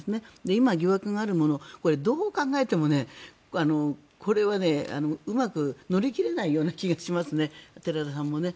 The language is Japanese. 今、疑惑があるものはどう考えてもこれはうまく乗り切れない気がしますね寺田さんもね。